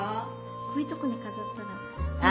こういうとこに飾ったら